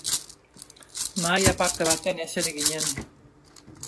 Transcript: Mahai aparte batean eseri ginen.